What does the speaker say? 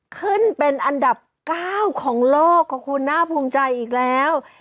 ขึ้นเป็นอันดับ๙ของโลกขอบคุณน่าภูมิใจอีกแล้ว